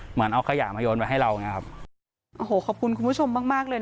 เหมือนเอาขยะมาโยนไว้ให้เราอย่างเงี้ยครับโอ้โหขอบคุณคุณผู้ชมมากมากเลยนะ